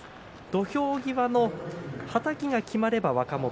土俵際のはたきがきまれば若元